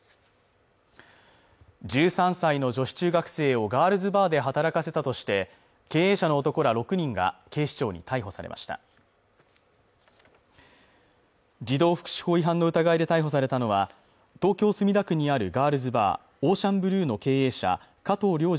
１３歳の女子中学生をガールズバーで働かせたとして経営者の男ら６人が警視庁に逮捕されました児童福祉法違反の疑いで逮捕されたのは東京墨田区にあるガールズバーＯｃｅａｎＢｌｕｅの経営者加藤亮二